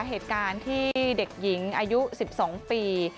เหตุการณ์ที่เด็กหญิงอายุ๑๒ปี